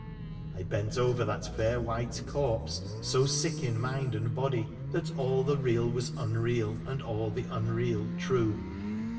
I bent over that fair white corpse, so sick in mind and body that all the real was unreal and all the unreal true.